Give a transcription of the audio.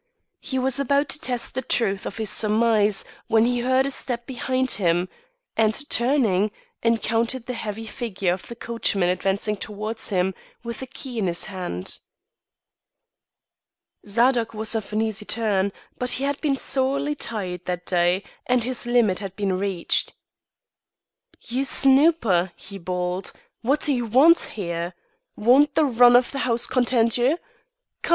He was about to test the truth of this surmise when he heard a step behind him, and turning, encountered the heavy figure of the coachman advancing towards him, with a key in his hand. Zadok was of an easy turn, but he had been sorely tried that day, and his limit had been reached. "You snooper!" he bawled. "What do you want here? Won't the run of the house content ye? Come!